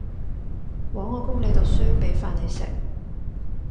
枉我供你讀書，俾飯你食